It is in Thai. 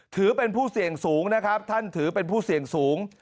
ถือเป็นผู้เสี่ยงสูงนะครับท่านถือเป็นผู้เสี่ยงสูง